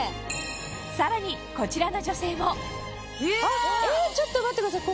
さらにこちらの女性もちょっと待ってください。